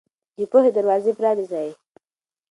د پوهې دروازې پرانيزئ.